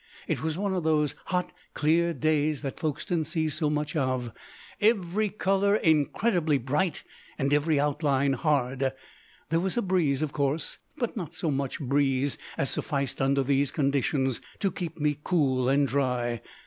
It was one of those hot, clear days that Folkestone sees so much of, every colour incredibly bright and every outline hard. There was a breeze, of course, but not so much breeze as sufficed under these conditions to keep me cool and dry.